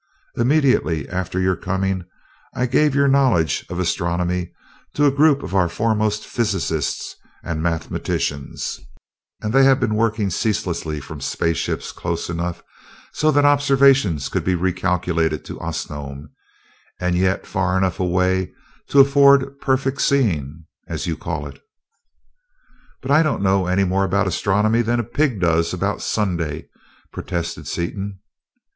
Immediately after your coming I gave your knowledge of astronomy to a group of our foremost physicists and mathematicians, and they have been working ceaselessly from space ships close enough so that observations could be recalculated to Osnome, and yet far enough away to afford perfect 'seeing,' as you call it." "But I don't know any more about astronomy than a pig does about Sunday," protested Seaton.